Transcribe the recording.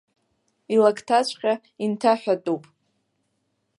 Илакҭаҵәҟьа инҭаҳәатәуп.